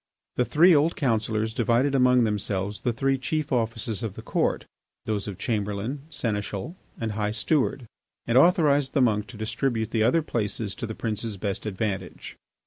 The three old councillors divided among themselves the three chief offices of the Court, those of Chamberlain, Seneschal, and High Steward, and authorised the monk to distribute the other places to the prince's best advantage.